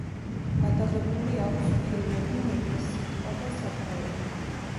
გადაღებული აქვს ფილმები „მეფის სიტყვა“ და „საბრალონი“.